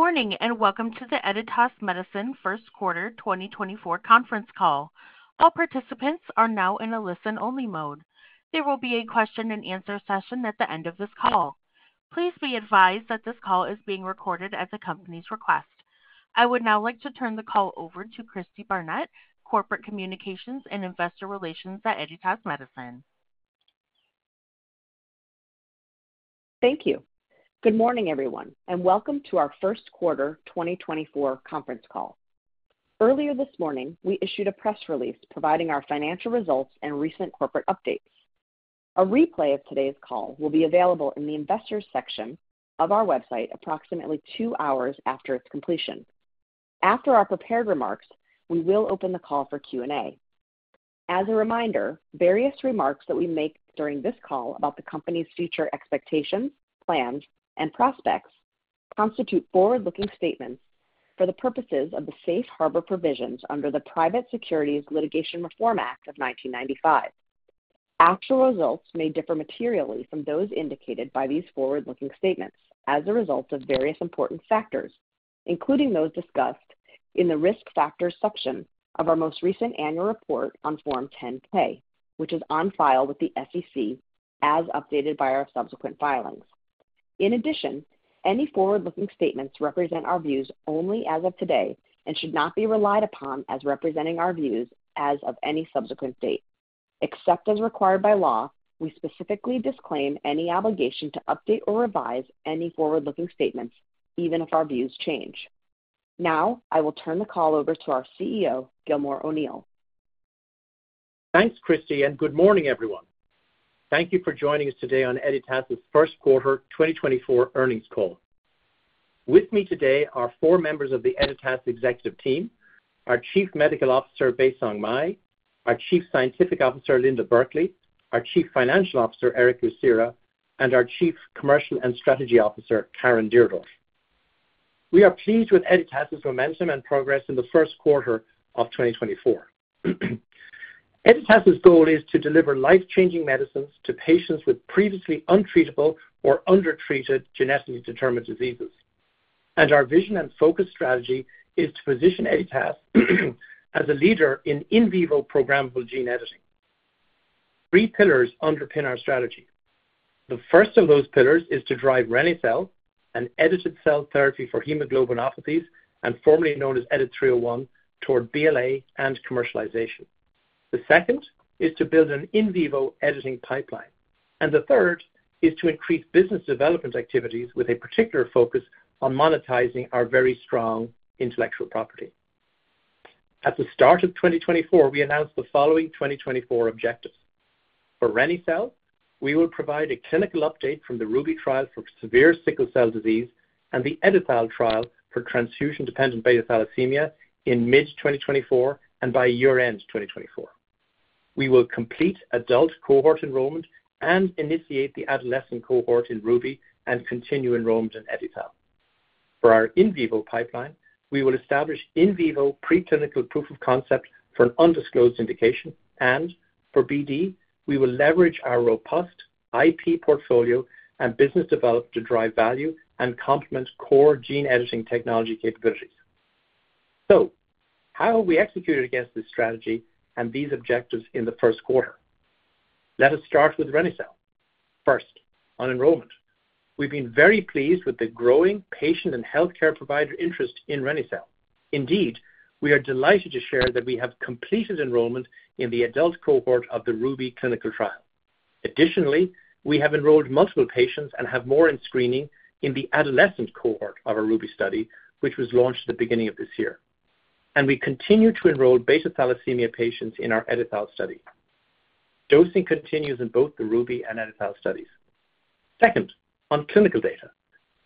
Good morning, and welcome to the Editas Medicine first quarter 2024 conference call. All participants are now in a listen-only mode. There will be a question and answer session at the end of this call. Please be advised that this call is being recorded at the company's request. I would now like to turn the call over to Cristi Barnett, Corporate Communications and Investor Relations at Editas Medicine. Thank you. Good morning, everyone, and welcome to our first quarter 2024 conference call. Earlier this morning, we issued a press release providing our financial results and recent corporate updates. A replay of today's call will be available in the Investors section of our website approximately two hours after its completion. After our prepared remarks, we will open the call for Q&A. As a reminder, various remarks that we make during this call about the company's future expectations, plans, and prospects constitute forward-looking statements for the purposes of the Safe Harbor Provisions under the Private Securities Litigation Reform Act of 1995. Actual results may differ materially from those indicated by these forward-looking statements as a result of various important factors, including those discussed in the Risk Factors section of our most recent annual report on Form 10-K, which is on file with the SEC, as updated by our subsequent filings. In addition, any forward-looking statements represent our views only as of today and should not be relied upon as representing our views as of any subsequent date. Except as required by law, we specifically disclaim any obligation to update or revise any forward-looking statements, even if our views change. Now, I will turn the call over to our CEO, Gilmore O'Neill. Thanks, Cristi, and good morning, everyone. Thank you for joining us today on Editas' first quarter 2024 earnings call. With me today are four members of the Editas executive team, our Chief Medical Officer, Baisong Mei, our Chief Scientific Officer, Linda Burkly, our Chief Financial Officer, Erick Lucera, and our Chief Commercial and Strategy Officer, Caren Deardorf. We are pleased with Editas' momentum and progress in the first quarter of 2024. Editas' goal is to deliver life-changing medicines to patients with previously untreatable or undertreated genetically determined diseases. Our vision and focus strategy is to position Editas as a leader in in vivo programmable gene editing. Three pillars underpin our strategy. The first of those pillars is to drive reni-cel, an edited cell therapy for hemoglobinopathies, and formerly known as EDIT-301, toward BLA and commercialization. The second is to build an in vivo editing pipeline, and the third is to increase business development activities with a particular focus on monetizing our very strong intellectual property. At the start of 2024, we announced the following 2024 objectives: For reni-cel, we will provide a clinical update from the RUBY trial for severe sickle cell disease and the EdiTHAL trial for transfusion-dependent beta thalassemia in mid-2024 and by year-end 2024. We will complete adult cohort enrollment and initiate the adolescent cohort in RUBY and continue enrollment in EdiTHAL. For our in vivo pipeline, we will establish in vivo preclinical proof of concept for an undisclosed indication, and for BD, we will leverage our robust IP portfolio and business development to drive value and complement core gene editing technology capabilities. So how have we executed against this strategy and these objectives in the first quarter? Let us start with reni-cel. First, on enrollment. We've been very pleased with the growing patient and healthcare provider interest in reni-cel. Indeed, we are delighted to share that we have completed enrollment in the adult cohort of the RUBY clinical trial. Additionally, we have enrolled multiple patients and have more in screening in the adolescent cohort of our RUBY study, which was launched at the beginning of this year. We continue to enroll beta thalassemia patients in our EdiTHAL studies. Dosing continues in both the RUBY and EdiTHAL studies. Second, on clinical data.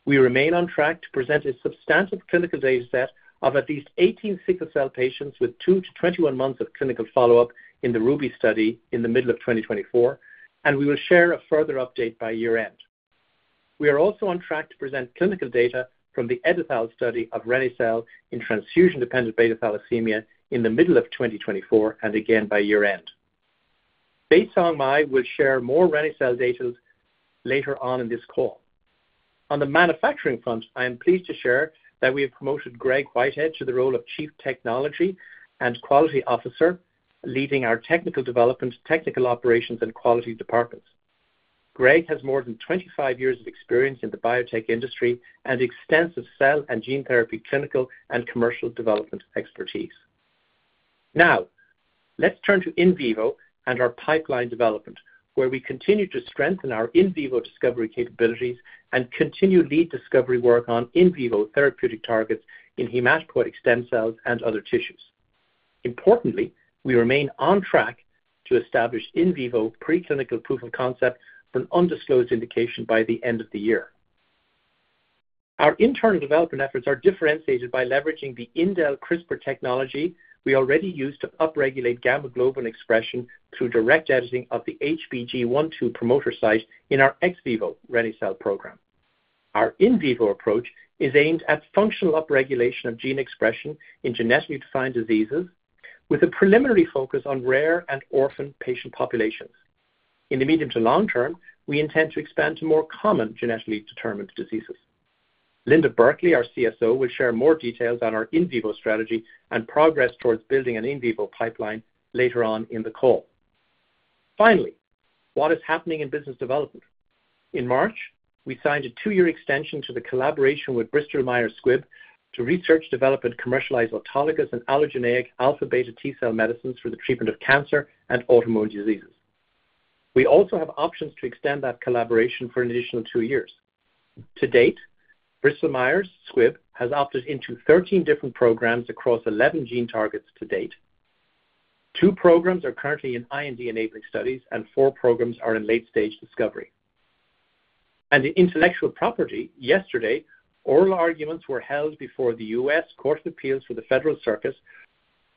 We remain on track to present a substantive clinical data set of at least 18 sickle cell patients with two-21 months of clinical follow-up in the RUBY study in the middle of 2024, and we will share a further update by year-end. We are also on track to present clinical data from the EdiTHAL studies of reni-cel in transfusion-dependent beta thalassemia in the middle of 2024, and again by year-end. Baisong Mei will share more reni-cel data later on in this call. On the manufacturing front, I am pleased to share that we have promoted Greg Whitehead to the role of Chief Technology and Quality Officer, leading our technical development, technical operations, and quality departments. Greg has more than 25 years of experience in the biotech industry and extensive cell and gene therapy, clinical and commercial development expertise. Now, let's turn to in vivo and our pipeline development, where we continue to strengthen our in vivo discovery capabilities and continue lead discovery work on in vivo therapeutic targets in hematopoietic stem cells and other tissues. Importantly, we remain on track to establish in vivo preclinical proof of concept for an undisclosed indication by the end of the year. Our internal development efforts are differentiated by leveraging the indel CRISPR technology we already use to upregulate gamma globin expression through direct editing of the HBG1/2 promoter site in our ex vivo reni-cel program. Our in vivo approach is aimed at functional upregulation of gene expression in genetically defined diseases, with a preliminary focus on rare and orphan patient populations.... In the medium to long term, we intend to expand to more common genetically determined diseases. Linda Burkly, our CSO, will share more details on our in vivo strategy and progress towards building an in vivo pipeline later on in the call. Finally, what is happening in business development? In March, we signed a two-year extension to the collaboration with Bristol Myers Squibb to research, develop, and commercialize autologous and allogeneic alpha/beta T-cell medicines for the treatment of cancer and autoimmune diseases. We also have options to extend that collaboration for an additional two years. To date, Bristol Myers Squibb has opted into 13 different programs across 11 gene targets to date. two programs are currently in IND-enabling studies, and four programs are in late-stage discovery. In intellectual property, yesterday, oral arguments were held before the U.S. Court of Appeals for the Federal Circuit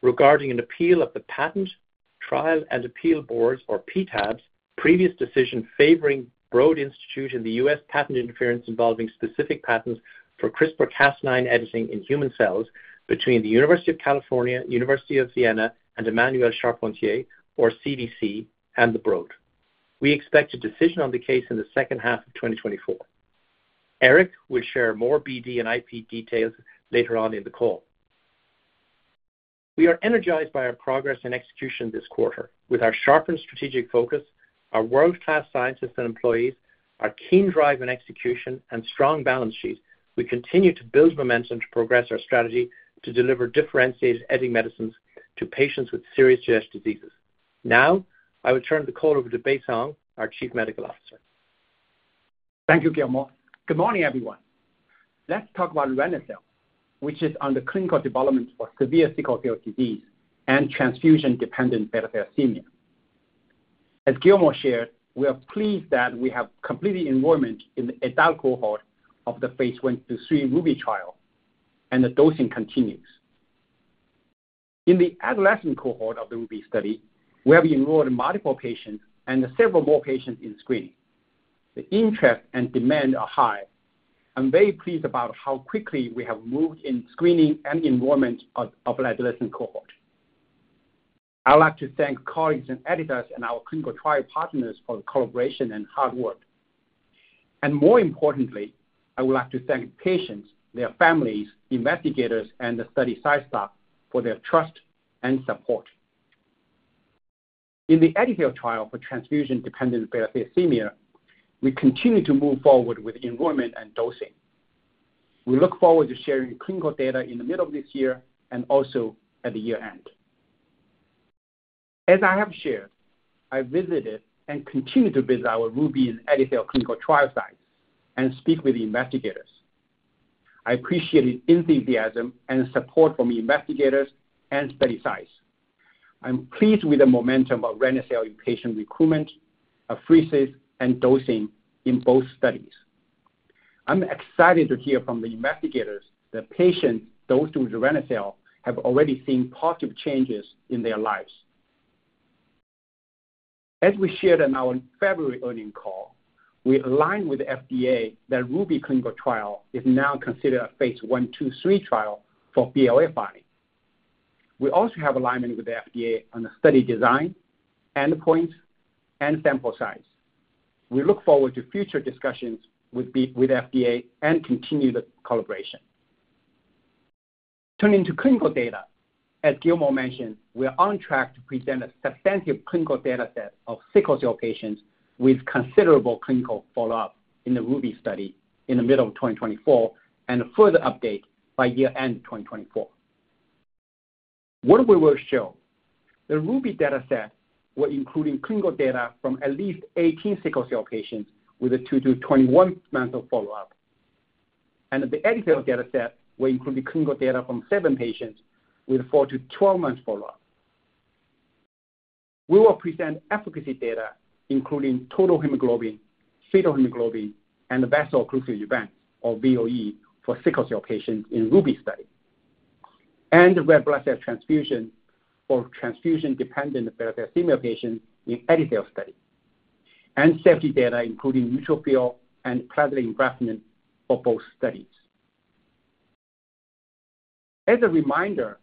regarding an appeal of the Patent Trial and Appeal Board's, or PTAB's, previous decision favoring Broad Institute in the U.S. patent interference involving specific patents for CRISPR-Cas9 editing in human cells between the University of California, University of Vienna, and Emmanuelle Charpentier, or CVC, and the Broad. We expect a decision on the case in the second half of 2024. Erick will share more BD and IP details later on in the call. We are energized by our progress and execution this quarter. With our sharpened strategic focus, our world-class scientists and employees, our keen drive and execution, and strong balance sheet, we continue to build momentum to progress our strategy to deliver differentiated editing medicines to patients with serious genetic diseases. Now, I will turn the call over to Baisong, our Chief Medical Officer. Thank you, Gilmore. Good morning, everyone. Let's talk about reni-cel, which is under clinical development for severe sickle cell disease and transfusion-dependent beta thalassemia. As Gilmore shared, we are pleased that we have completed enrollment in the adult cohort of the phase one to three RUBY trial, and the dosing continues. In the adolescent cohort of the RUBY study, we have enrolled multiple patients and several more patients in screening. The interest and demand are high. I'm very pleased about how quickly we have moved in screening and enrollment of adolescent cohort. I'd like to thank colleagues and Editas and our clinical trial partners for the collaboration and hard work. And more importantly, I would like to thank patients, their families, investigators, and the study site staff for their trust and support. In the EdiTHAL trial for transfusion-dependent beta thalassemia, we continue to move forward with enrollment and dosing. We look forward to sharing clinical data in the middle of this year and also at the year-end. As I have shared, I visited and continue to visit our RUBY and EdiTHAL clinical trial sites and speak with the investigators. I appreciate the enthusiasm and support from the investigators and study sites. I'm pleased with the momentum of reni-cel in patient recruitment, apheresis, and dosing in both studies. I'm excited to hear from the investigators that patients, those doing reni-cel, have already seen positive changes in their lives. As we shared in our February earnings call, we aligned with the FDA that RUBY clinical trial is now considered a phase I, II, III trial for BLA filing. We also have alignment with the FDA on the study design, endpoint, and sample size. We look forward to future discussions with the FDA and continue the collaboration. Turning to clinical data, as Gilmore mentioned, we are on track to present a substantive clinical data set of sickle cell patients with considerable clinical follow-up in the RUBY study in the middle of 2024, and a further update by year-end 2024. What we will show? The RUBY dataset will include clinical data from at least 18 sickle cell patients with a two- to 21-month follow-up, and the EdiTHAL dataset will include the clinical data from seven patients with a four- to 12-month follow-up. We will present efficacy data, including total hemoglobin, fetal hemoglobin, and the vaso-occlusive event, or VOE, for sickle cell patients in RUBY study, and red blood cell transfusion for transfusion-dependent beta thalassemia patients in EdiTHAL study, and safety data, including neutrophil and platelet engraftment for both studies. As a reminder,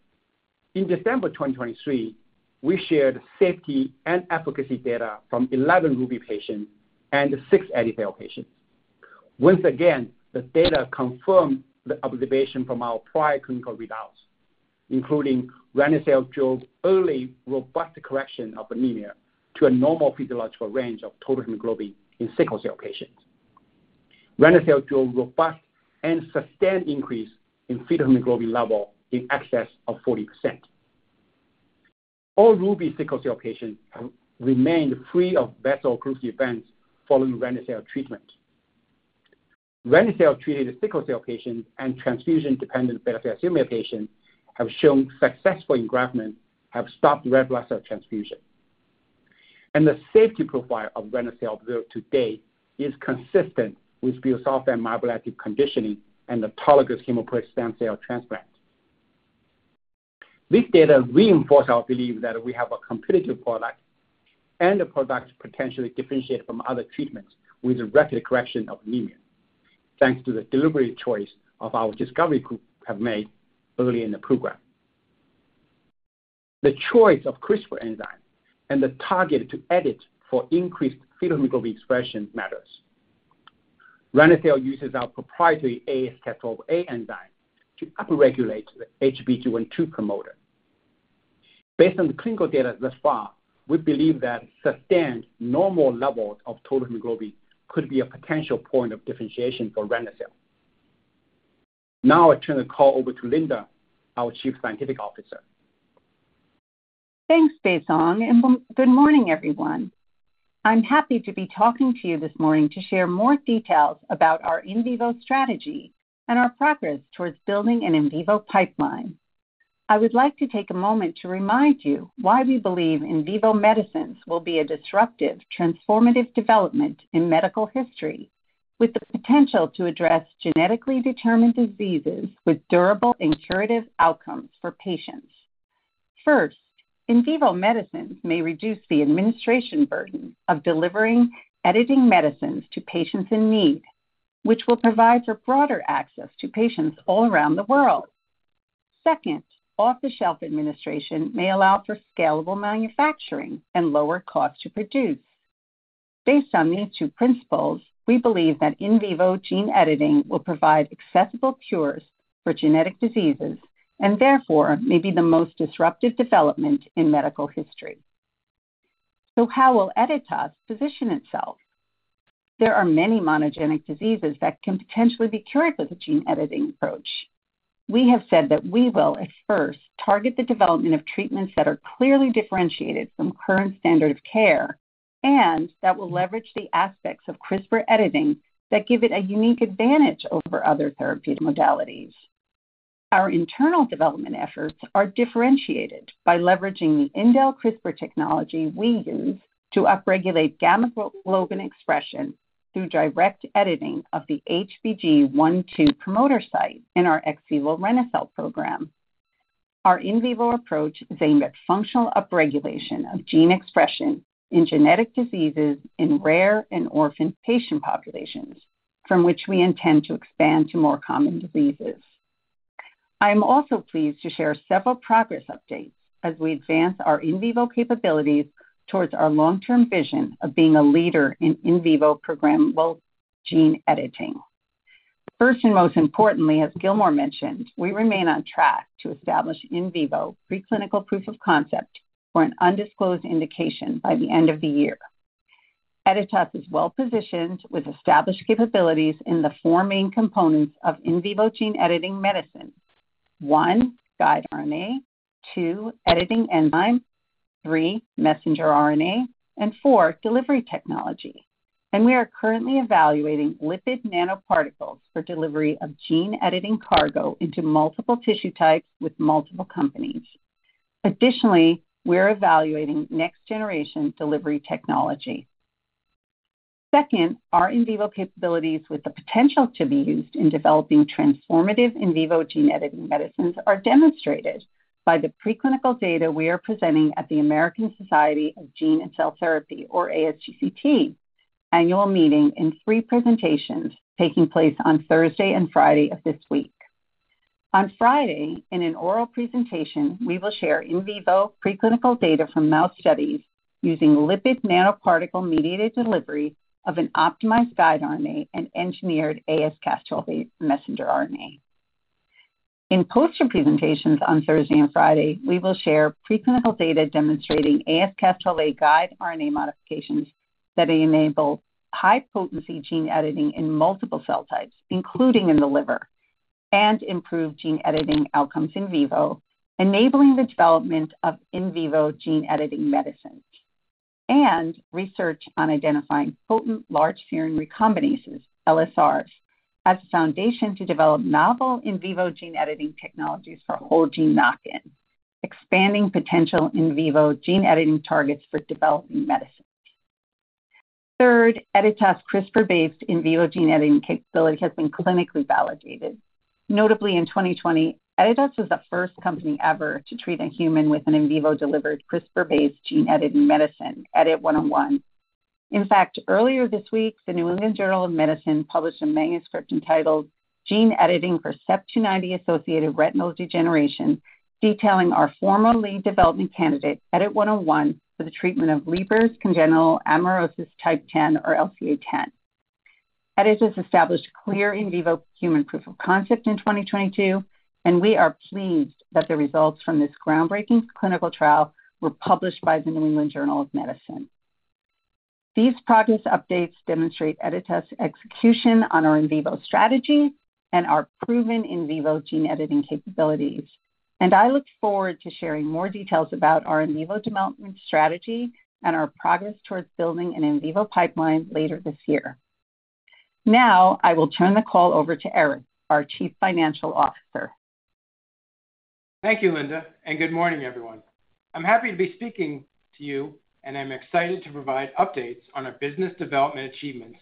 in December 2023, we shared safety and efficacy data from 11 RUBY patients and 6 EdiTHAL patients. Once again, the data confirmed the observation from our prior clinical readouts, including reni-cel drove early, robust correction of anemia to a normal physiological range of total hemoglobin in sickle cell patients. Reni-cel drove robust and sustained increase in fetal hemoglobin level in excess of 40%. All RUBY sickle cell patients have remained free of vaso-occlusive events following reni-cel treatment. Reni-cel-treated sickle cell patients and transfusion-dependent beta thalassemia patients have shown successful engraftment, have stopped red blood cell transfusion. The safety profile of reni-cel observed to date is consistent with busulfan and melphalan myeloablative conditioning and autologous hematopoietic stem cell transplant. This data reinforce our belief that we have a competitive product and a product potentially differentiated from other treatments with rapid correction of anemia, thanks to the deliberate choice of our discovery group have made early in the program. The choice of CRISPR enzyme and the target to edit for increased fetal hemoglobin expression matters. reni-cel uses our proprietary AsCas12a enzyme to upregulate the HBG1/2 promoter. Based on the clinical data thus far, we believe that sustained normal levels of total hemoglobin could be a potential point of differentiation for reni-cel. Now I turn the call over to Linda, our Chief Scientific Officer. Thanks, Baisong, and good morning, everyone. I'm happy to be talking to you this morning to share more details about our in vivo strategy and our progress towards building an in vivo pipeline. I would like to take a moment to remind you why we believe in vivo medicines will be a disruptive, transformative development in medical history, with the potential to address genetically determined diseases with durable and curative outcomes for patients. First, in vivo medicines may reduce the administration burden of delivering editing medicines to patients in need, which will provide for broader access to patients all around the world. Second, off-the-shelf administration may allow for scalable manufacturing and lower costs to produce. Based on these two principles, we believe that in vivo gene editing will provide accessible cures for genetic diseases, and therefore, may be the most disruptive development in medical history. So how will Editas position itself? There are many monogenic diseases that can potentially be cured with a gene editing approach. We have said that we will, at first, target the development of treatments that are clearly differentiated from current standard of care, and that will leverage the aspects of CRISPR editing that give it a unique advantage over other therapeutic modalities. Our internal development efforts are differentiated by leveraging the indel CRISPR technology we use to upregulate gamma globin expression through direct editing of the HBG1/2 promoter site in our ex vivo reni-cel program. Our in vivo approach is aimed at functional upregulation of gene expression in genetic diseases in rare and orphan patient populations, from which we intend to expand to more common diseases. I am also pleased to share several progress updates as we advance our in vivo capabilities toward our long-term vision of being a leader in in vivo programmable gene editing. First, and most importantly, as Gilmore mentioned, we remain on track to establish in vivo preclinical proof of concept for an undisclosed indication by the end of the year. Editas is well positioned with established capabilities in the four main components of in vivo gene editing medicine. One, guide RNA. Two, editing enzyme. Three, messenger RNA, and four, delivery technology. And we are currently evaluating lipid nanoparticles for delivery of gene editing cargo into multiple tissue types with multiple companies. Additionally, we're evaluating next generation delivery technology. Second, our in vivo capabilities with the potential to be used in developing transformative in vivo gene editing medicines are demonstrated by the preclinical data we are presenting at the American Society of Gene and Cell Therapy, or ASGCT, annual meeting in three presentations taking place on Thursday and Friday of this week. On Friday, in an oral presentation, we will share in vivo preclinical data from mouse studies using lipid nanoparticle-mediated delivery of an optimized guide RNA and engineered AsCas12a messenger RNA. In poster presentations on Thursday and Friday, we will share preclinical data demonstrating AsCas12a guide RNA modifications that enable high-potency gene editing in multiple cell types, including in the liver, and improve gene editing outcomes in vivo, enabling the development of in vivo gene editing medicines. Research on identifying potent large serine recombinases, LSRs, as a foundation to develop novel in vivo gene editing technologies for whole gene knock-in, expanding potential in vivo gene editing targets for developing medicines. Third, Editas' CRISPR-based in vivo gene editing capability has been clinically validated. Notably, in 2020, Editas was the first company ever to treat a human with an in vivo-delivered CRISPR-based gene-editing medicine, EDIT-101. In fact, earlier this week, the New England Journal of Medicine published a manuscript entitled "Gene Editing for CEP290-Associated Retinal Degeneration," detailing our former lead development candidate, EDIT-101, for the treatment of Leber Congenital Amaurosis type 10, or LCA10. Editas established clear in vivo human proof of concept in 2022, and we are pleased that the results from this groundbreaking clinical trial were published by the New England Journal of Medicine. These progress updates demonstrate Editas' execution on our in vivo strategy and our proven in vivo gene editing capabilities, and I look forward to sharing more details about our in vivo development strategy and our progress towards building an in vivo pipeline later this year. Now, I will turn the call over to Erick, our Chief Financial Officer. Thank you, Linda, and good morning, everyone. I'm happy to be speaking to you, and I'm excited to provide updates on our business development achievements,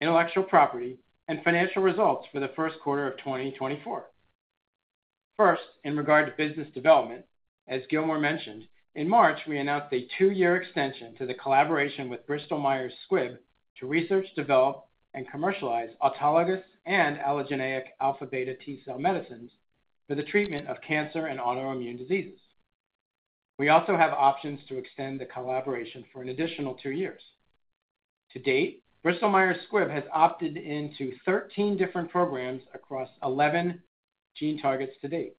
intellectual property, and financial results for the first quarter of 2024. First, in regard to business development, as Gilmore mentioned, in March, we announced a two-year extension to the collaboration with Bristol Myers Squibb to research, develop, and commercialize autologous and allogeneic alpha/beta T cell medicines for the treatment of cancer and autoimmune diseases. We also have options to extend the collaboration for an additional two years. To date, Bristol Myers Squibb has opted into 13 different programs across 11 gene targets to date.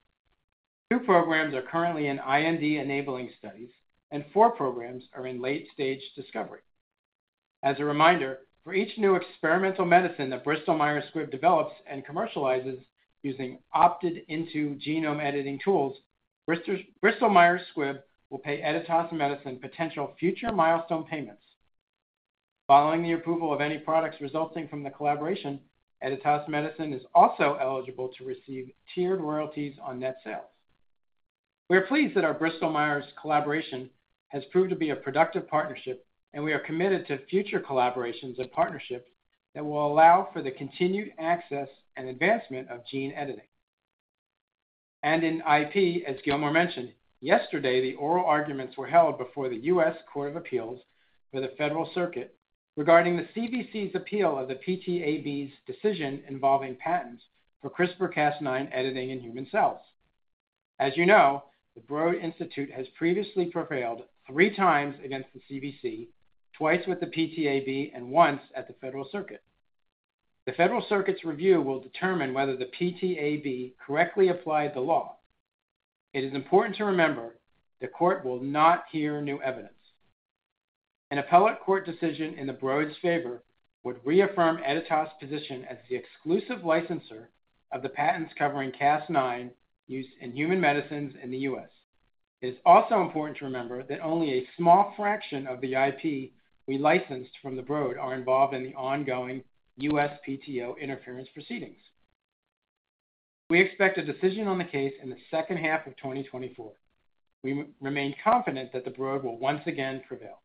Two programs are currently in IND-enabling studies, and four programs are in late-stage discovery. As a reminder, for each new experimental medicine that Bristol Myers Squibb develops and commercializes using opted-into genome editing tools, Bristol, Bristol Myers Squibb will pay Editas Medicine potential future milestone payments. Following the approval of any products resulting from the collaboration, Editas Medicine is also eligible to receive tiered royalties on net sales. We are pleased that our Bristol Myers collaboration has proved to be a productive partnership, and we are committed to future collaborations and partnerships that will allow for the continued access and advancement of gene editing. In IP, as Gilmore mentioned, yesterday, the oral arguments were held before the U.S. Court of Appeals for the Federal Circuit regarding the CVC's appeal of the PTAB's decision involving patents for CRISPR-Cas9 editing in human cells. As you know, the Broad Institute has previously prevailed three times against the CVC, twice with the PTAB and once at the Federal Circuit. The Federal Circuit's review will determine whether the PTAB correctly applied the law. It is important to remember, the court will not hear new evidence. An appellate court decision in the Broad's favor would reaffirm Editas' position as the exclusive licenser of the patents covering Cas9 used in human medicines in the U.S. It is also important to remember that only a small fraction of the IP we licensed from the Broad are involved in the ongoing USPTO interference proceedings. We expect a decision on the case in the second half of 2024. We remain confident that the Broad will once again prevail.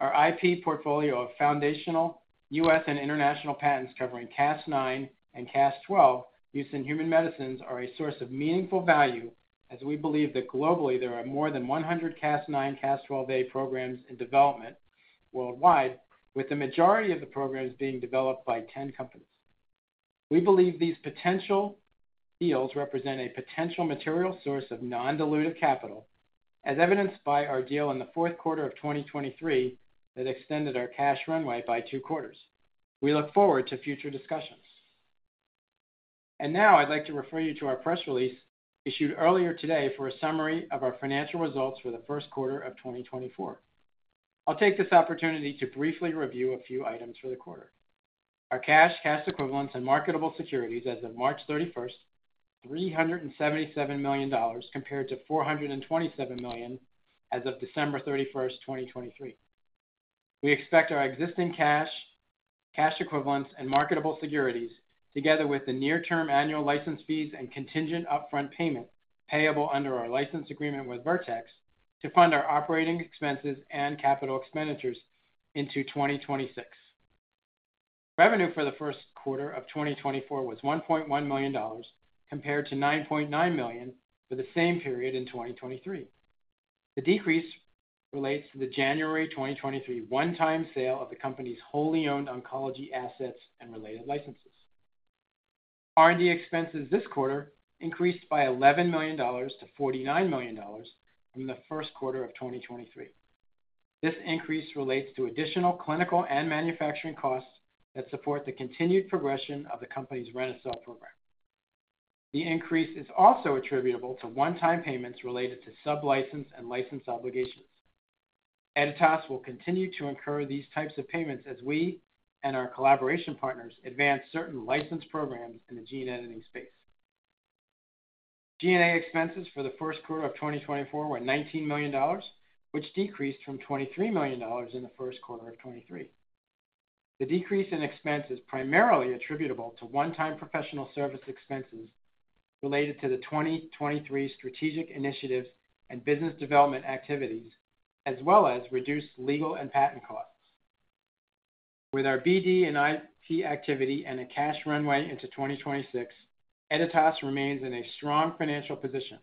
Our IP portfolio of foundational U.S. and international patents covering Cas9 and Cas12a use in human medicines are a source of meaningful value, as we believe that globally, there are more than 100 Cas9/Cas12a programs in development worldwide, with the majority of the programs being developed by 10 companies. We believe these potential deals represent a potential material source of non-dilutive capital, as evidenced by our deal in the fourth quarter of 2023 that extended our cash runway by two quarters. We look forward to future discussions. And now I'd like to refer you to our press release issued earlier today for a summary of our financial results for the first quarter of 2024. I'll take this opportunity to briefly review a few items for the quarter. Our cash, cash equivalents, and marketable securities as of March 31st, $377 million, compared to $427 million as of December 31st, 2023. We expect our existing cash, cash equivalents, and marketable securities, together with the near-term annual license fees and contingent upfront payment payable under our license agreement with Vertex, to fund our operating expenses and capital expenditures into 2026. Revenue for the first quarter of 2024 was $1.1 million, compared to $9.9 million for the same period in 2023. The decrease relates to the January 2023 one-time sale of the company's wholly owned oncology assets and related licenses. R&D expenses this quarter increased by $11 million to $49 million from the first quarter of 2023. This increase relates to additional clinical and manufacturing costs that support the continued progression of the company's reni-cel program. The increase is also attributable to one-time payments related to sublicense and license obligations. Editas will continue to incur these types of payments as we and our collaboration partners advance certain license programs in the gene editing space. G&A expenses for the first quarter of 2024 were $19 million, which decreased from $23 million in the first quarter of 2023. The decrease in expense is primarily attributable to one-time professional service expenses related to the 2023 strategic initiatives and business development activities, as well as reduced legal and patent costs. With our BD and IT activity and a cash runway into 2026, Editas remains in a strong financial position.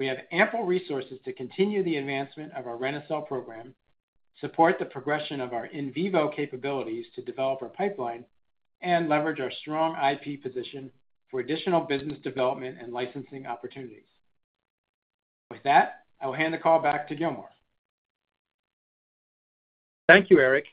We have ample resources to continue the advancement of our reni-cel program, support the progression of our in vivo capabilities to develop our pipeline, and leverage our strong IP position for additional business development and licensing opportunities. With that, I will hand the call back to Gilmore. Thank you, Eric.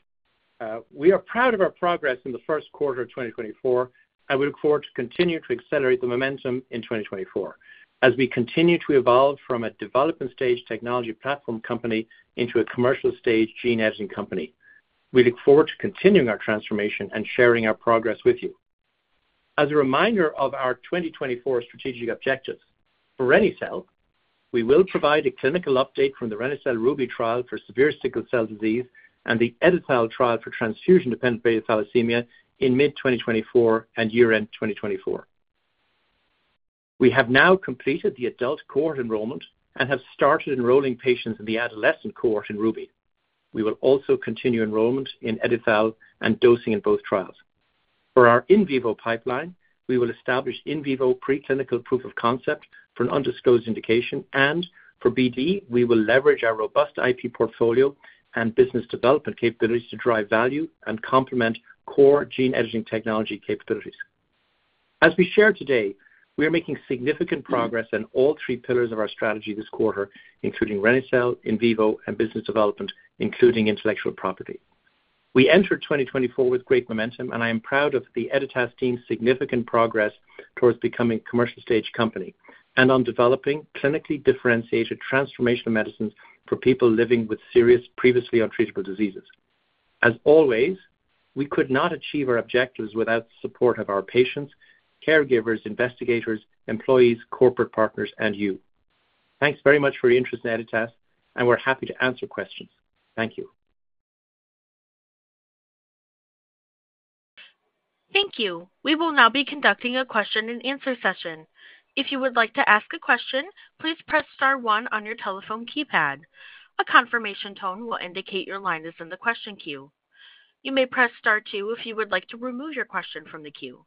We are proud of our progress in the first quarter of 2024, and we look forward to continuing to accelerate the momentum in 2024 as we continue to evolve from a development stage technology platform company into a commercial stage gene-editing company. We look forward to continuing our transformation and sharing our progress with you. As a reminder of our 2024 strategic objectives, for reni-cel, we will provide a clinical update from the reni-cel RUBY trial for severe sickle cell disease and the EdiTHAL trial for transfusion-dependent beta thalassemia in mid-2024 and year-end 2024. We have now completed the adult cohort enrollment and have started enrolling patients in the adolescent cohort in RUBY. We will also continue enrollment in EdiTHAL and dosing in both trials. For our in vivo pipeline, we will establish in vivo preclinical proof of concept for an undisclosed indication, and for BD, we will leverage our robust IP portfolio and business development capabilities to drive value and complement core gene editing technology capabilities. As we shared today, we are making significant progress in all three pillars of our strategy this quarter, including reni-cel, in vivo, and business development, including intellectual property. We entered 2024 with great momentum, and I am proud of the Editas team's significant progress towards becoming a commercial stage company and on developing clinically differentiated transformational medicines for people living with serious, previously untreatable diseases. As always, we could not achieve our objectives without the support of our patients, caregivers, investigators, employees, corporate partners, and you. Thanks very much for your interest in Editas, and we're happy to answer questions. Thank you. Thank you. We will now be conducting a question-and-answer session. If you would like to ask a question, please press star one on your telephone keypad. A confirmation tone will indicate your line is in the question queue. You may press star two if you would like to remove your question from the queue.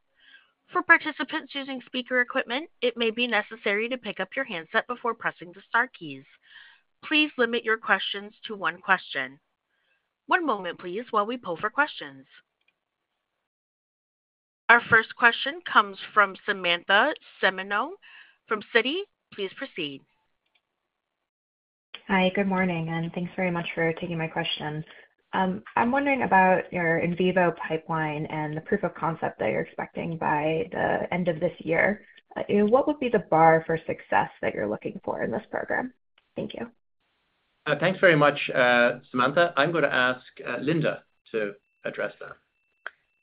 For participants using speaker equipment, it may be necessary to pick up your handset before pressing the star keys. Please limit your questions to one question. One moment, please, while we poll for questions. Our first question comes from Samantha Semenkow from Citi. Please proceed. Hi, good morning, and thanks very much for taking my questions. I'm wondering about your in vivo pipeline and the proof of concept that you're expecting by the end of this year. What would be the bar for success that you're looking for in this program? Thank you. Thanks very much, Samantha. I'm going to ask Linda to address that.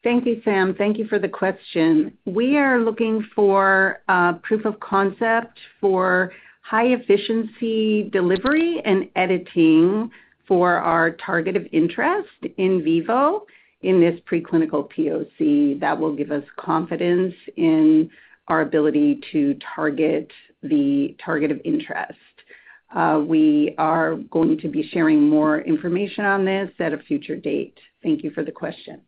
Thank you, Sam. Thank you for the question. We are looking for proof of concept for high efficiency delivery and editing for our target of interest in vivo in this preclinical POC. That will give us confidence in our ability to target the target of interest. We are going to be sharing more information on this at a future date. Thank you for the question.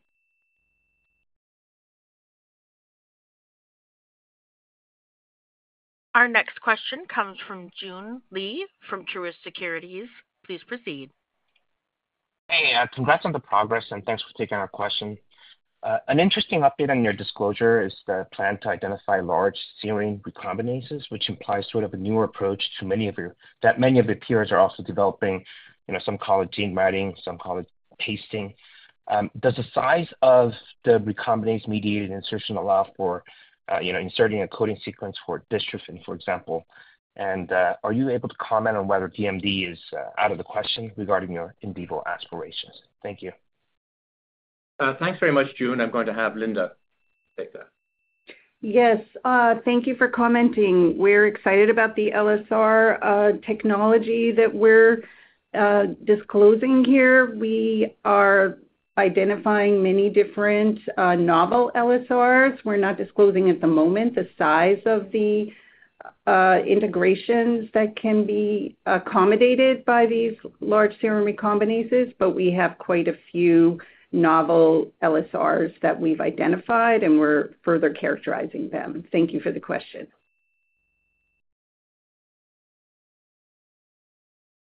Our next question comes from Joon Lee, from Truist Securities. Please proceed. Hey, congrats on the progress, and thanks for taking our question. An interesting update on your disclosure is the plan to identify large serine recombinases, which implies sort of a newer approach to that many of your peers are also developing. You know, some call it gene writing, some call it pasting. Does the size of the recombinase-mediated insertion allow for, you know, inserting a coding sequence for dystrophin, for example, and are you able to comment on whether DMD is out of the question regarding your in vivo aspirations? Thank you. Thanks very much, Joon. I'm going to have Linda take that. Yes, thank you for commenting. We're excited about the LSR technology that we're disclosing here. We are identifying many different novel LSRs. We're not disclosing at the moment the size of the integrations that can be accommodated by these large serine recombinases, but we have quite a few novel LSRs that we've identified, and we're further characterizing them. Thank you for the question.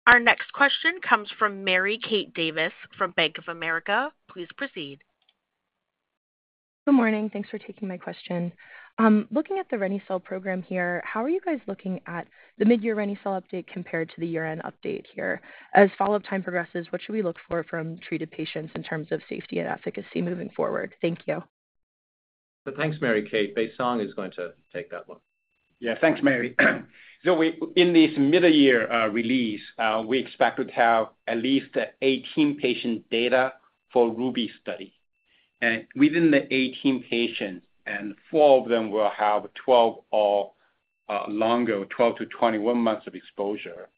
Our next question comes from Mary Kate Davis, from Bank of America. Please proceed. Good morning. Thanks for taking my question. Looking at the reni-cel program here, how are you guys looking at the midyear reni-cel update compared to the year-end update here? As follow-up time progresses, what should we look for from treated patients in terms of safety and efficacy moving forward? Thank you. Thanks, Mary Kate. Baisong Mei is going to take that one. Yeah. Thanks, Mary. So we, in this midyear release, we expect to have at least 18 patient data for RUBY study. And within the 18 patients, and four of them will have 12 or longer, 12-21 months of exposure,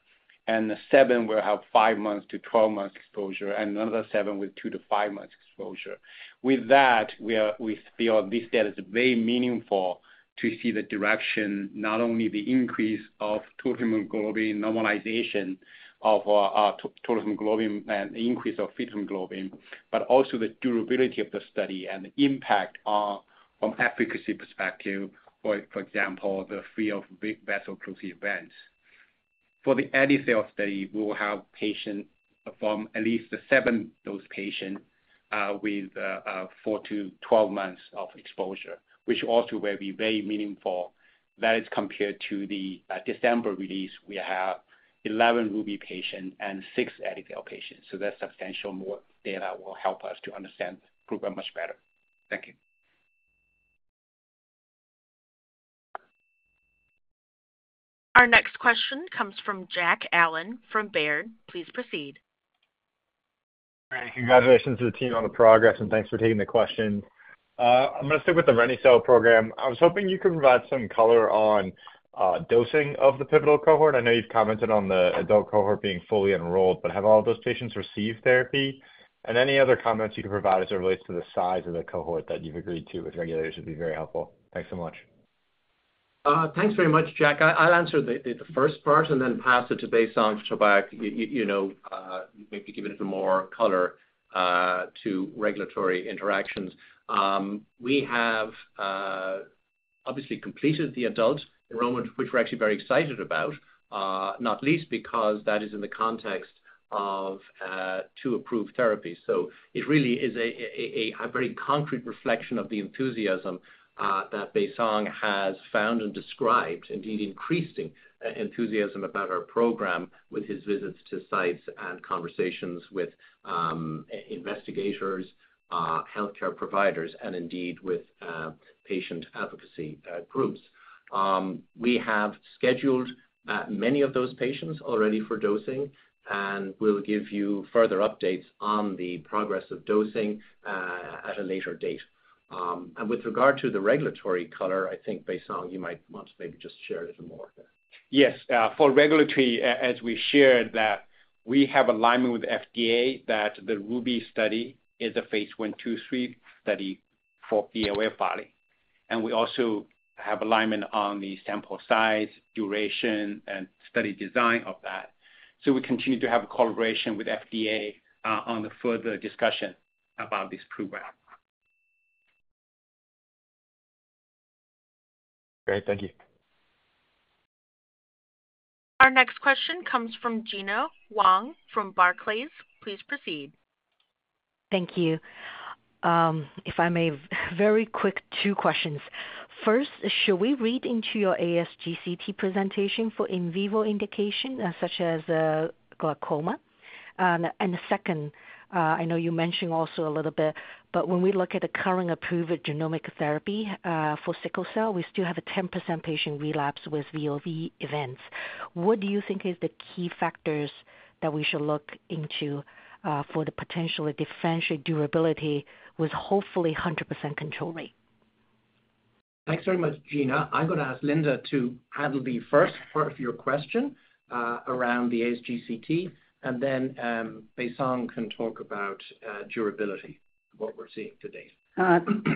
and seven will have 5-12 months exposure, and another seven with two-five months exposure. With that, we feel this data is very meaningful to see the direction, not only the increase of total hemoglobin, normalization of total hemoglobin, and increase of fetal hemoglobin, but also the durability of the study and the impact from efficacy perspective, for example, the free of vaso-occlusive events. For the EdiTHAL study, we will have patients from at least seven dose patients with four-12 months of exposure, which also will be very meaningful. That is compared to the December release. We have 11 RUBY patients and six EdiTHAL patients, so that's substantial more data will help us to understand the program much better. Thank you. Our next question comes from Jack Allen, from Baird. Please proceed. Hi, congratulations to the team on the progress, and thanks for taking the question. I'm gonna stick with the reni-cel program. I was hoping you could provide some color on, dosing of the pivotal cohort. I know you've commented on the adult cohort being fully enrolled, but have all those patients received therapy? And any other comments you can provide as it relates to the size of the cohort that you've agreed to with regulators would be very helpful. Thanks so much.... Thanks very much, Jack. I'll answer the first part and then pass it to Baisong to back you up, you know, maybe give it more color to regulatory interactions. We have obviously completed the adult enrollment, which we're actually very excited about, not least because that is in the context of two approved therapies. So it really is a very concrete reflection of the enthusiasm that Baisong has found and described, indeed, increasing enthusiasm about our program with his visits to sites and conversations with investigators, healthcare providers, and indeed with patient advocacy groups. We have scheduled many of those patients already for dosing, and we'll give you further updates on the progress of dosing at a later date. With regard to the regulatory color, I think, Baisong, you might want to maybe just share a little more there. Yes, for regulatory, as we shared, that we have alignment with FDA, that the RUBY study is a phase I, II, III study for the VOE. And we also have alignment on the sample size, duration, and study design of that. So we continue to have a collaboration with FDA, on the further discussion about this program. Great, thank you. Our next question comes from Gena Wang from Barclays. Please proceed. Thank you. If I may, very quick, two questions. First, should we read into your ASGCT presentation for in vivo indication, such as, glaucoma? And the second, I know you mentioned also a little bit, but when we look at the current approved genomic therapy for sickle cell, we still have a 10% patient relapse with VOE events. What do you think is the key factors that we should look into for the potential to differentiate durability with hopefully 100% control rate? Thanks very much, Gena. I'm gonna ask Linda to handle the first part of your question, around the ASGCT, and then, Baisong can talk about, durability, what we're seeing to date.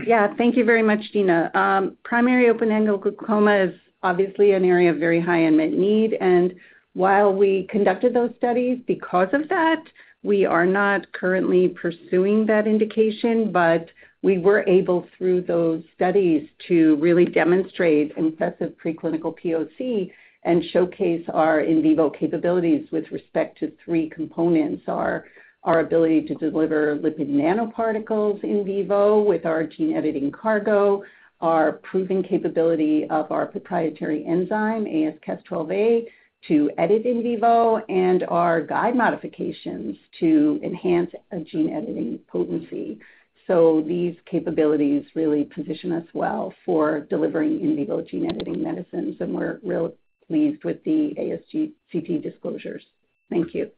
Yeah, thank you very much, Gena. Primary open-angle glaucoma is obviously an area of very high unmet need, and while we conducted those studies because of that, we are not currently pursuing that indication. But we were able, through those studies, to really demonstrate impressive preclinical POC and showcase our in vivo capabilities with respect to three components: our ability to deliver lipid nanoparticles in vivo with our gene editing cargo, our proven capability of our proprietary enzyme, AsCas12a, to edit in vivo, and our guide modifications to enhance a gene-editing potency. So these capabilities really position us well for delivering in vivo gene-editing medicines, and we're real pleased with the ASGCT disclosures. Thank you.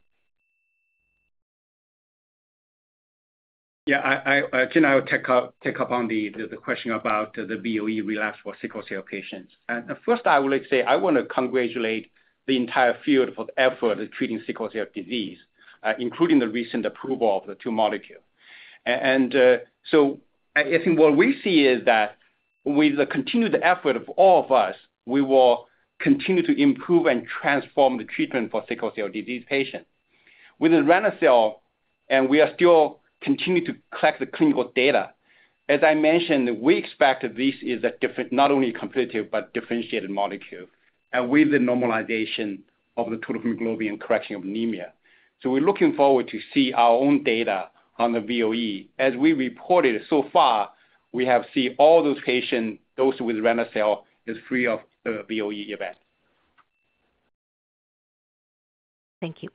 Yeah, Gena, I will take up on the question about the VOE relapse for sickle cell patients. First, I would like to say, I wanna congratulate the entire field for the effort of treating sickle cell disease, including the recent approval of the two molecules. So I think what we see is that with the continued effort of all of us, we will continue to improve and transform the treatment for sickle cell disease patients. With the reni-cel, and we are still continuing to collect the clinical data, as I mentioned, we expect that this is a different, not only competitive, but differentiated molecule, and with the normalization of the total hemoglobin, correction of anemia. So we're looking forward to see our own data on the VOE. As we reported so far, we have seen all those patients, those with reni-cel, is free of the VOE event. Thank you.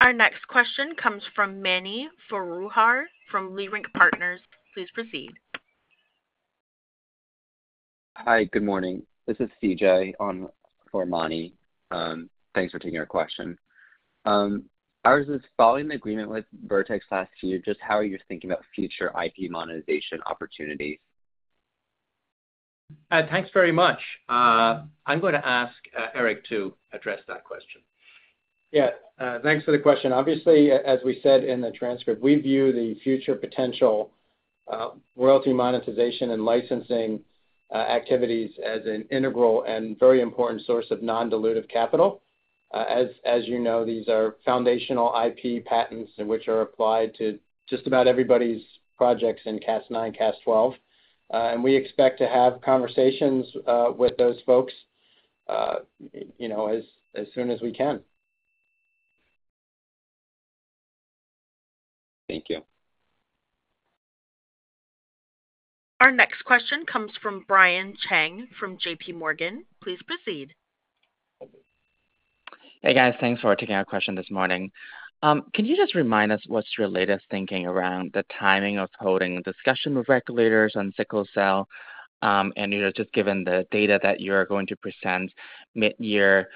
Our next question comes from Mani Foroohar from Leerink Partners. Please proceed. Hi, good morning. This is CJ on for Manny. Thanks for taking our question. Ours is following the agreement with Vertex last year, just how are you thinking about future IP monetization opportunities? Thanks very much. I'm going to ask Eric to address that question. Yeah, thanks for the question. Obviously, as we said in the transcript, we view the future potential, royalty, monetization, and licensing activities as an integral and very important source of non-dilutive capital. As you know, these are foundational IP patents, which are applied to just about everybody's projects in Cas9, Cas12. And we expect to have conversations with those folks, you know, as soon as we can. Thank you. Our next question comes from Brian Cheng from JP Morgan. Please proceed. Hey, guys. Thanks for taking our question this morning. Can you just remind us what's your latest thinking around the timing of holding a discussion with regulators on sickle cell? You know, just given the data that you are going to present midyear,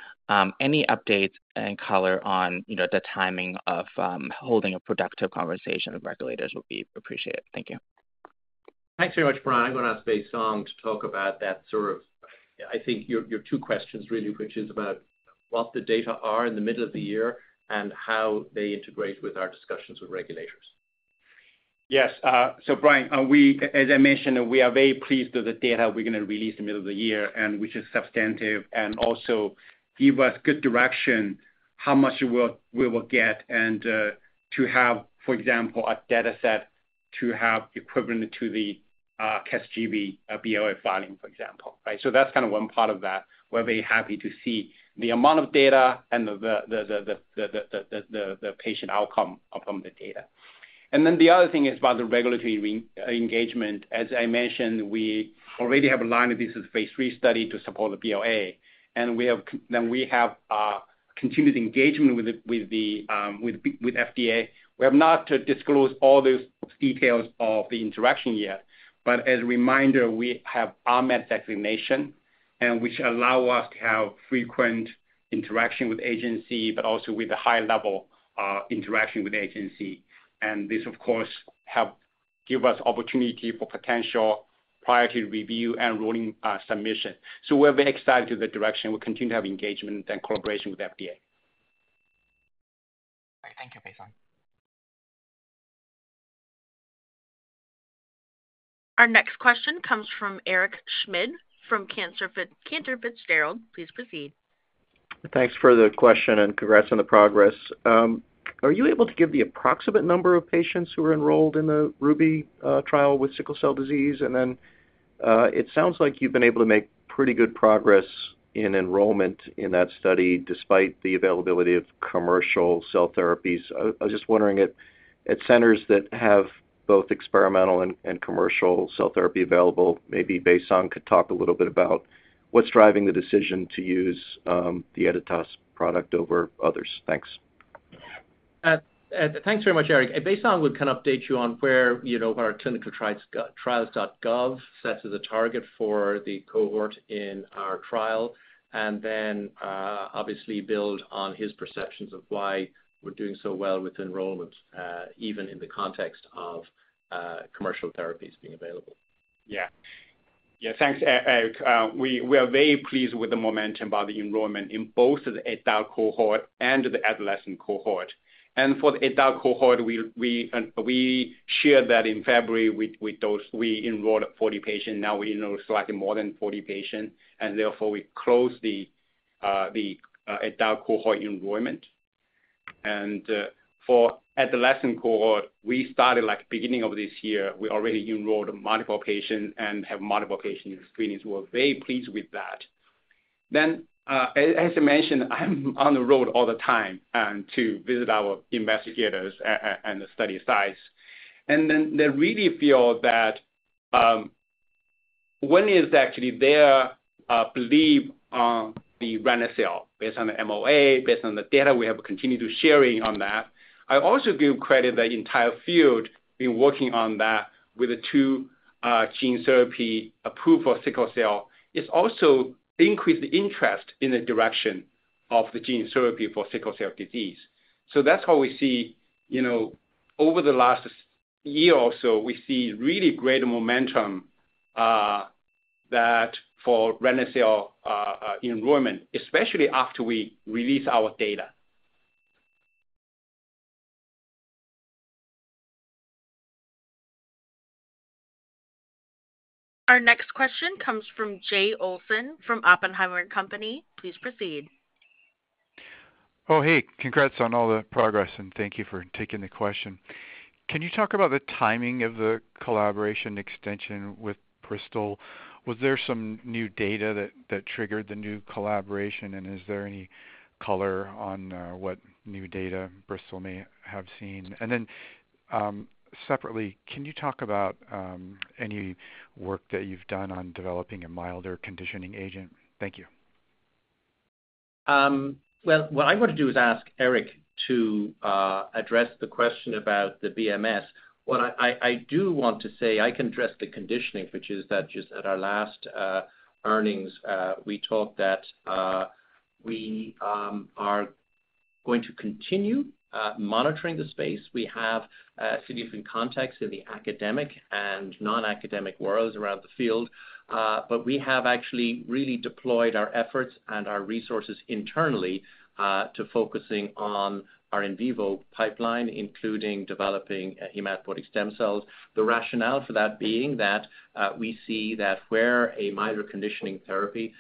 any updates and color on, you know, the timing of holding a productive conversation with regulators will be appreciated. Thank you. Thanks very much, Brian. I'm going to ask Baisong to talk about that. I think your two questions really, which is about what the data are in the middle of the year and how they integrate with our discussions with regulators. Yes, so Brian, as I mentioned, we are very pleased with the data we're going to release in the middle of the year, and which is substantive and also give us good direction, how much work we will get and, to have, for example, a data set to have equivalent to the, Casgevy, BLA filing, for example, right? So that's kind of one part of that. We're very happy to see the amount of data and the patient outcome from the data. And then the other thing is about the regulatory engagement. As I mentioned, we already have aligned this as a phase three study to support the BLA, and we have then we have, continued engagement with the, with the, with FDA. We have not disclosed all those details of the interaction yet, but as a reminder, we have RMAT designation, and which allow us to have frequent interaction with agency, but also with a high level interaction with agency. And this, of course, help give us opportunity for potential priority review and rolling submission. So we're very excited to the direction. We continue to have engagement and collaboration with FDA. All right, thank you, Baisong. Our next question comes from Eric Schmidt from Cantor Fitzgerald. Please proceed. Thanks for the question and congrats on the progress. Are you able to give the approximate number of patients who are enrolled in the RUBY trial with sickle cell disease? And then, it sounds like you've been able to make pretty good progress in enrollment in that study, despite the availability of commercial cell therapies. I was just wondering at centers that have both experimental and commercial cell therapy available, maybe Baisong could talk a little bit about what's driving the decision to use the Editas product over others. Thanks. Thanks very much, Eric. Baisong will kind of update you on where, you know, our clinical trials. ClinicalTrials.gov sets as a target for the cohort in our trial, and then obviously build on his perceptions of why we're doing so well with enrollment, even in the context of commercial therapies being available. Yeah. Yeah, thanks, Eric. We are very pleased with the momentum about the enrollment in both the adult cohort and the adolescent cohort. And for the adult cohort, we shared that in February with those, we enrolled 40 patients. Now we enrolled slightly more than 40 patients, and therefore, we closed the adult cohort enrollment. And for adolescent cohort, we started, like, beginning of this year, we already enrolled multiple patients and have multiple patients screened. We're very pleased with that. Then, as I mentioned, I'm on the road all the time to visit our investigators and the study sites. And then they really feel that one is actually their belief on the reni-cel, based on the MOA, based on the data we have continued to sharing on that. I also give credit the entire field in working on that with the two, gene therapy approved for sickle cell. It's also increased the interest in the direction of the gene therapy for sickle cell disease. So that's how we see, you know, over the last year or so, we see really great momentum, that for reni-cel, enrollment, especially after we release our data. Our next question comes from Jay Olson from Oppenheimer & Company. Please proceed. Oh, hey, congrats on all the progress, and thank you for taking the question. Can you talk about the timing of the collaboration extension with Bristol? Was there some new data that triggered the new collaboration? And is there any color on what new data Bristol may have seen? And then, separately, can you talk about any work that you've done on developing a milder conditioning agent? Thank you. Well, what I'm going to do is ask Eric to address the question about the BMS. What I do want to say, I can address the conditioning, which is that just at our last earnings, we talked that we are going to continue monitoring the space. We have significant context in the academic and non-academic worlds around the field, but we have actually really deployed our efforts and our resources internally to focusing on our in vivo pipeline, including developing hematopoietic stem cells. The rationale for that being that we see that where a milder conditioning therapy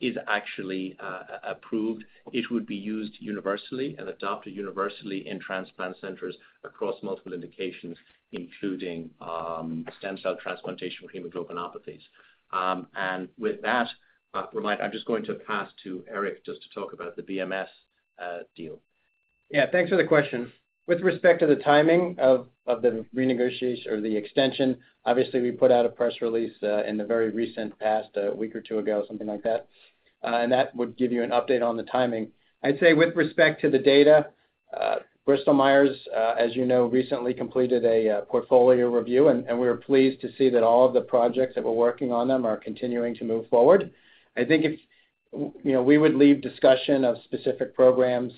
is actually approved, it would be used universally and adopted universally in transplant centers across multiple indications, including stem cell transplantation for hemoglobinopathies. With that, I'm just going to pass to Eric just to talk about the BMS deal. Yeah, thanks for the question. With respect to the timing of the renegotiation or the extension, obviously, we put out a press release in the very recent past, a week or two ago, something like that, and that would give you an update on the timing. I'd say with respect to the data-... Bristol Myers, as you know, recently completed a portfolio review, and we were pleased to see that all of the projects that we're working on them are continuing to move forward. I think if, you know, we would leave discussion of specific programs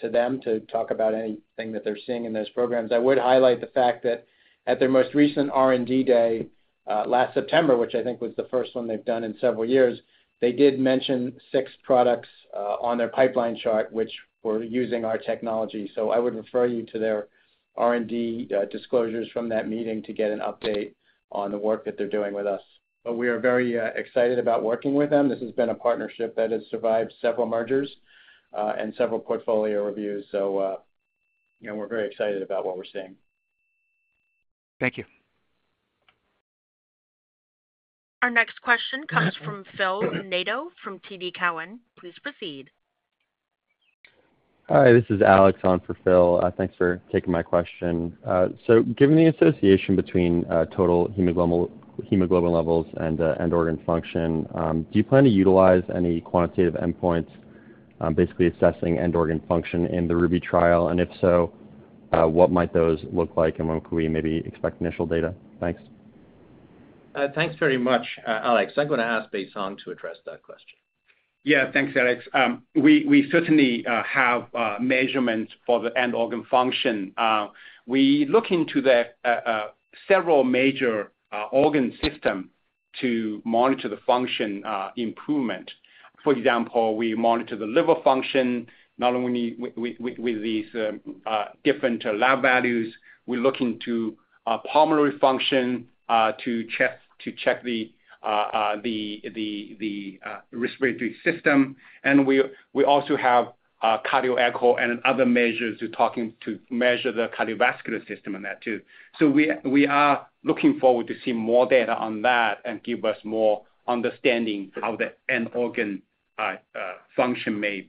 to them to talk about anything that they're seeing in those programs. I would highlight the fact that at their most recent R&D day last September, which I think was the first one they've done in several years, they did mention six products on their pipeline chart, which were using our technology. So I would refer you to their R&D disclosures from that meeting to get an update on the work that they're doing with us. But we are very excited about working with them. This has been a partnership that has survived several mergers, and several portfolio reviews. So, you know, we're very excited about what we're seeing. Thank you. Our next question comes from Phil Nadeau, from TD Cowen. Please proceed. Hi, this is Alex on for Phil. Thanks for taking my question. So given the association between total hemoglobin, hemoglobin levels and end organ function, do you plan to utilize any quantitative endpoints, basically assessing end organ function in the RUBY trial? And if so, what might those look like, and when could we maybe expect initial data? Thanks. Thanks very much, Alex. I'm going to ask Baisong to address that question. Yeah. Thanks, Alex. We certainly have measurements for the end organ function. We look into the several major organ system to monitor the function improvement. For example, we monitor the liver function, not only with these different lab values. We look into pulmonary function to check the respiratory system, and we also have cardio echo and other measures to measure the cardiovascular system in that too. So we are looking forward to see more data on that and give us more understanding of the end organ function may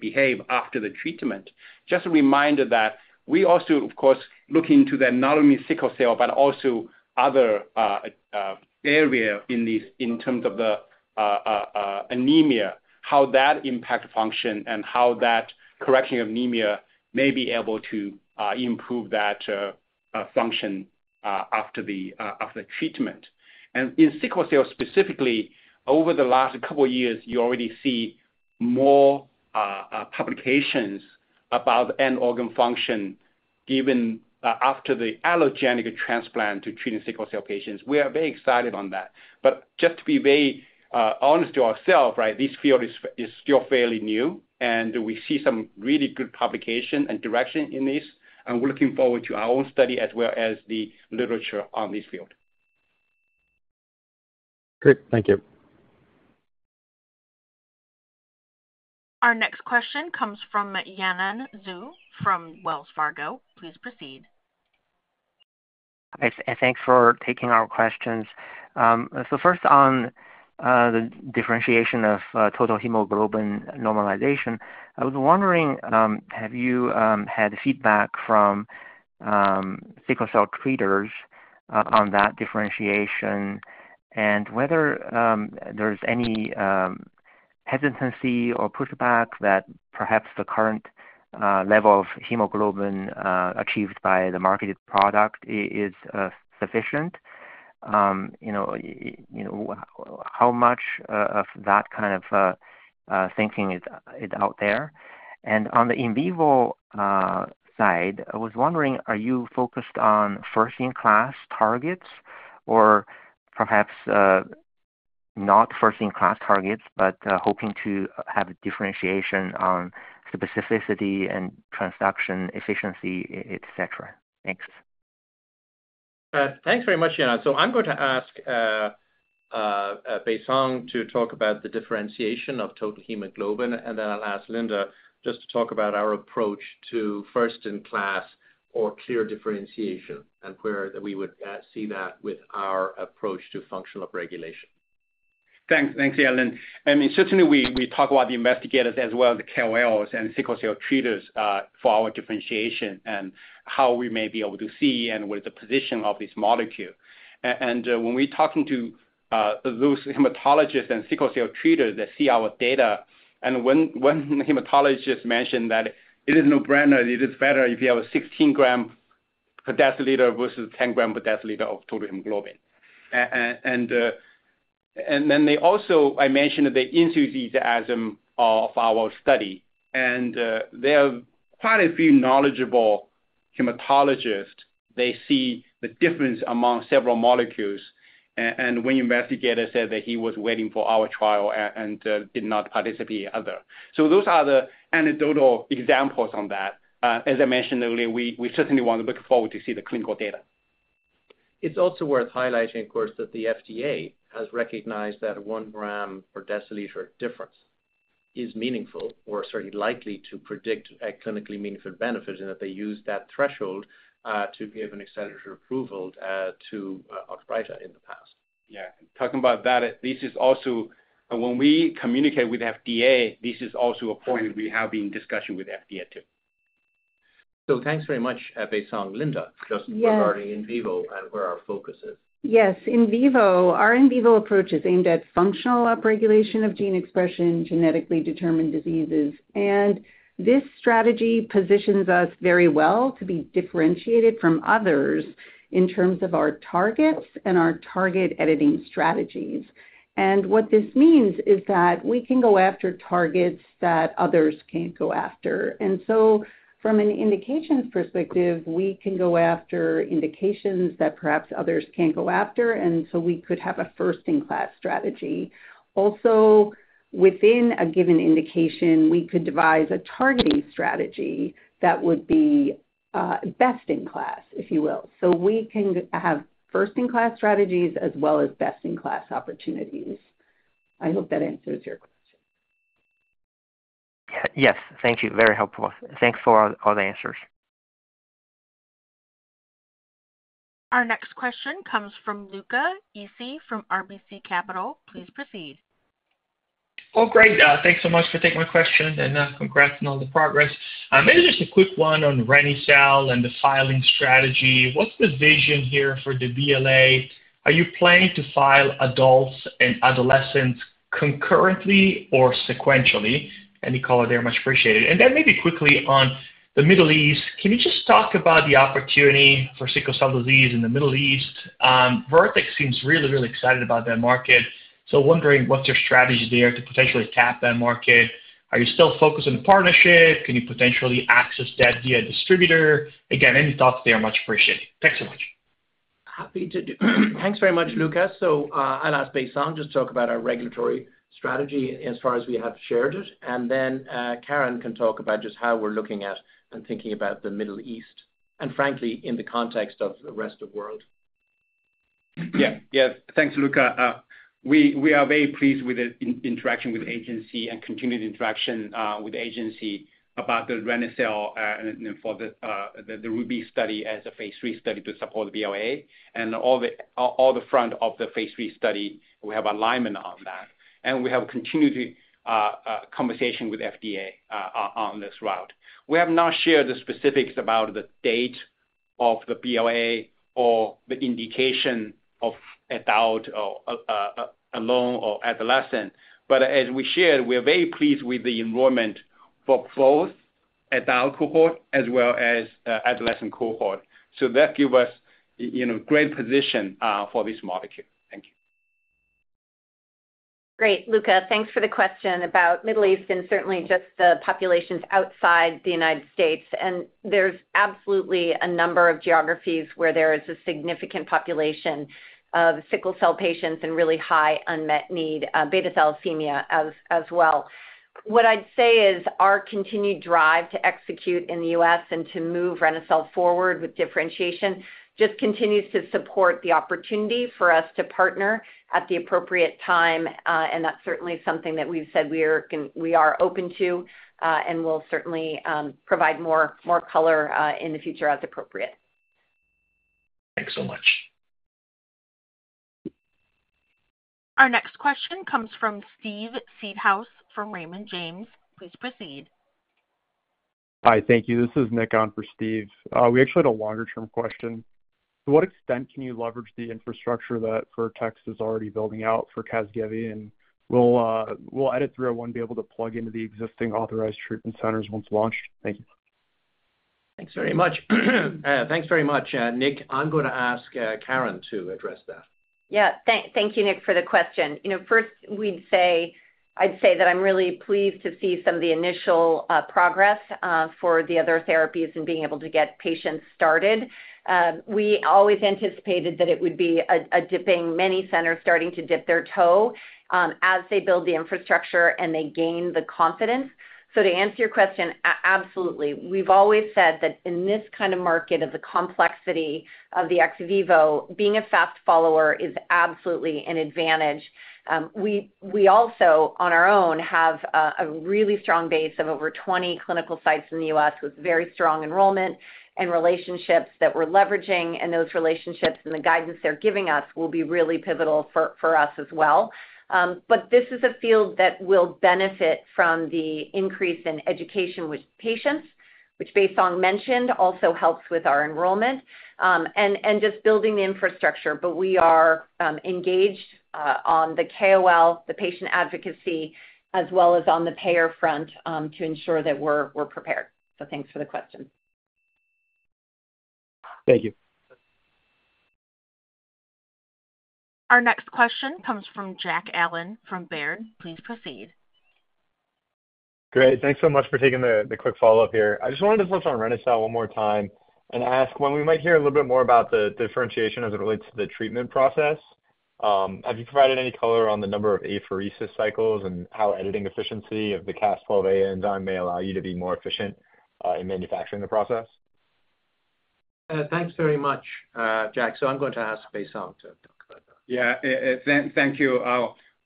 behave after the treatment. Just a reminder that we also, of course, look into the not only sickle cell, but also other area in these in terms of the anemia, how that impact function and how that correction of anemia may be able to improve that function after the, after the treatment. And in sickle cell, specifically, over the last couple of years, you already see more publications about end organ function, given after the allogeneic transplant to treating sickle cell patients. We are very excited on that. But just to be very honest to ourselves, right, this field is still fairly new, and we see some really good publication and direction in this, and we're looking forward to our own study as well as the literature on this field. Great. Thank you. Our next question comes from Yanan Zhu, from Wells Fargo. Please proceed. Thanks, and thanks for taking our questions. So first on the differentiation of total hemoglobin normalization, I was wondering, have you had feedback from sickle cell treaters on that differentiation? And whether there's any hesitancy or pushback that perhaps the current level of hemoglobin achieved by the marketed product is sufficient? You know, you know, how much of that kind of thinking is out there? And on the in vivo side, I was wondering, are you focused on first-in-class targets or perhaps not first-in-class targets, but hoping to have a differentiation on specificity and transduction efficiency, et cetera? Thanks. Thanks very much, Yanan. So I'm going to ask Baisong to talk about the differentiation of total hemoglobin, and then I'll ask Linda just to talk about our approach to first in class or clear differentiation and where we would see that with our approach to functional regulation. Thanks. Thanks, Yanan. I mean, certainly, we talk about the investigators as well, the KOLs and sickle cell treaters for our differentiation and how we may be able to see and with the position of this molecule. And when we talking to those hematologists and sickle cell treaters that see our data, and one hematologist mentioned that it is no-brainer, it is better if you have a 16 g/dl versus 10 g/dl of total hemoglobin. And then they also, I mentioned, the enthusiasm of our study, and there are quite a few knowledgeable hematologists. They see the difference among several molecules, and one investigator said that he was waiting for our trial and did not participate other. So those are the anecdotal examples on that. As I mentioned earlier, we certainly want to look forward to see the clinical data. It's also worth highlighting, of course, that the FDA has recognized that 1 g/dl difference is meaningful or certainly likely to predict a clinically meaningful benefit, and that they use that threshold to give an accelerated approval to Oxbryta in the past. Yeah, talking about that, this is also... When we communicate with FDA, this is also a point we have in discussion with FDA, too.... So thanks very much, Baisong Mei. Linda, just regarding in vivo and where our focus is. Yes, in vivo. Our in vivo approach is aimed at functional upregulation of gene expression, genetically determined diseases, and this strategy positions us very well to be differentiated from others in terms of our targets and our target editing strategies. What this means is that we can go after targets that others can't go after. So from an indications perspective, we can go after indications that perhaps others can't go after, and so we could have a first-in-class strategy. Also, within a given indication, we could devise a targeting strategy that would be best-in-class, if you will. So we can have first-in-class strategies as well as best-in-class opportunities. I hope that answers your question. Yes. Thank you. Very helpful. Thanks for all, all the answers. Our next question comes from Luca Issi from RBC Capital. Please proceed. Oh, great, thanks so much for taking my question, and, congrats on all the progress. Maybe just a quick one on reni-cel and the filing strategy. What's the vision here for the BLA? Are you planning to file adults and adolescents concurrently or sequentially? Any color there, much appreciated. And then maybe quickly on the Middle East, can you just talk about the opportunity for sickle cell disease in the Middle East? Vertex seems really, really excited about that market. So wondering, what's your strategy there to potentially tap that market? Are you still focused on the partnership? Can you potentially access that via distributor? Again, any thoughts there are much appreciated. Thanks so much. Happy to do. Thanks very much, Luca. So, I'll ask Baisong Mei just talk about our regulatory strategy as far as we have shared it, and then, Caren can talk about just how we're looking at and thinking about the Middle East, and frankly, in the context of the rest of world. Yeah. Yeah. Thanks, Luca. We are very pleased with the interaction with the agency and continued interaction with the agency about the reni-cel and for the RUBY study as a phase III study to support the BLA, and all the front of the phase III study, we have alignment on that, and we have continued conversation with FDA on this route. We have not shared the specifics about the date of the BLA or the indication of adult or alone or adolescent. But as we shared, we are very pleased with the enrollment for both adult cohort as well as adolescent cohort. So that give us, you know, great position for this molecule. Thank you. Great, Luca. Thanks for the question about Middle East and certainly just the populations outside the United States, and there's absolutely a number of geographies where there is a significant population of sickle cell patients and really high unmet need, beta thalassemia as well. What I'd say is our continued drive to execute in the U.S. and to move reni-cel forward with differentiation, just continues to support the opportunity for us to partner at the appropriate time, and that's certainly something that we've said we are open to, and we'll certainly provide more color in the future as appropriate. Thanks so much. Our next question comes from Steve Seedhouse from Raymond James. Please proceed. Hi, thank you. This is Nick on for Steve. We actually had a longer-term question. To what extent can you leverage the infrastructure that Vertex is already building out for Casgevy, and will EDIT-301 be able to plug into the existing authorized treatment centers once launched? Thank you. Thanks very much. Thanks very much, Nick. I'm going to ask Caren to address that. Yeah. Thank you, Nick, for the question. You know, first, we'd say. I'd say that I'm really pleased to see some of the initial progress for the other therapies and being able to get patients started. We always anticipated that it would be a dip in many centers starting to dip their toe as they build the infrastructure and they gain the confidence. So to answer your question, absolutely. We've always said that in this kind of market of the complexity of the ex vivo, being a fast follower is absolutely an advantage. We also, on our own, have a really strong base of over 20 clinical sites in the U.S. with very strong enrollment and relationships that we're leveraging, and those relationships and the guidance they're giving us will be really pivotal for us as well. But this is a field that will benefit from the increase in education with patients, which Baisong Mei mentioned, also helps with our enrollment, and just building the infrastructure. But we are engaged on the KOL, the patient advocacy, as well as on the payer front, to ensure that we're prepared. So thanks for the question. Thank you. Our next question comes from Jack Allen from Baird. Please proceed. Great. Thanks so much for taking the quick follow-up here. I just wanted to focus on reni-cel one more time and ask, when we might hear a little bit more about the differentiation as it relates to the treatment process. Have you provided any color on the number of apheresis cycles and how editing efficiency of the AsCas12a enzyme may allow you to be more efficient in manufacturing the process? Thanks very much, Jack. So I'm going to ask Baisong to talk about that. Yeah, thank you.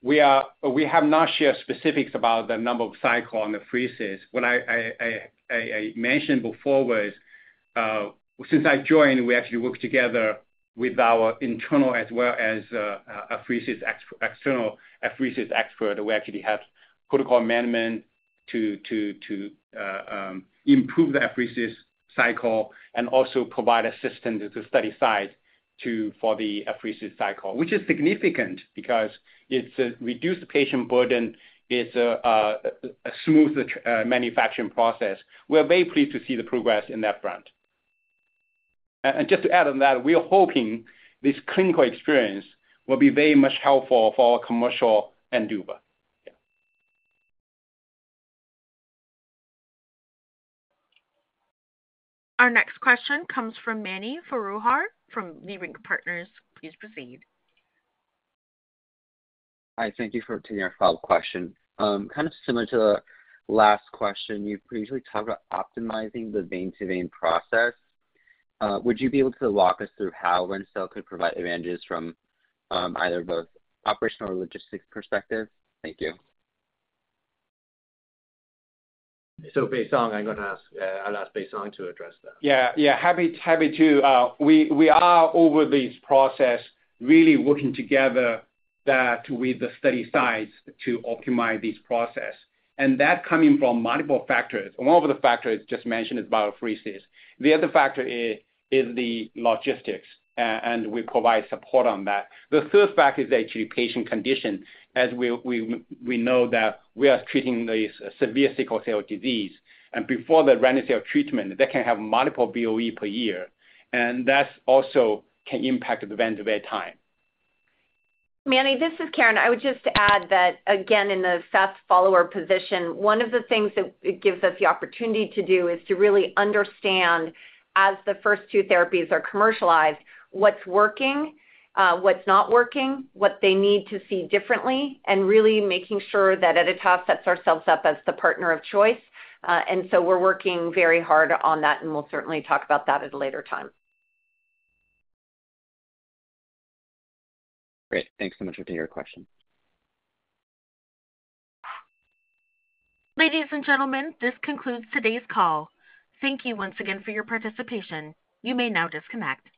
We have not shared specifics about the number of cycle on the apheresis. What I mentioned before was since I joined, we actually worked together with our internal as well as apheresis external apheresis expert. We actually have protocol amendment to improve the apheresis cycle and also provide assistance at the study site to for the apheresis cycle, which is significant because it's a reduced patient burden, it's a smoother manufacturing process. We're very pleased to see the progress in that front. Just to add on that, we are hoping this clinical experience will be very much helpful for our commercial and endeavor. Yeah. Our next question comes from Mani Foroohar from Leerink Partners. Please proceed. Hi. Thank you for taking our follow-up question. Kind of similar to the last question, you've previously talked about optimizing the vein-to-vein process. Would you be able to walk us through how reni-cel could provide advantages from, either both operational or logistics perspective? Thank you. Baisong, I'm gonna ask, I'll ask Baisong to address that. Yeah. Happy to. We are over this process, really working together with the study sites to optimize this process, and that coming from multiple factors. One of the factors just mentioned is apheresis. The other factor is the logistics, and we provide support on that. The third factor is actually patient condition. As we know that we are treating severe sickle cell disease, and before the reni-cel treatment, they can have multiple VOE per year, and that also can impact the vein-to-vein time. Mani, this is Caren. I would just add that, again, in the fast follower position, one of the things that it gives us the opportunity to do is to really understand, as the first two therapies are commercialized, what's working, what's not working, what they need to see differently, and really making sure that Editas sets ourselves up as the partner of choice. And so we're working very hard on that, and we'll certainly talk about that at a later time. Great. Thanks so much for taking our question. Ladies and gentlemen, this concludes today's call. Thank you once again for your participation. You may now disconnect.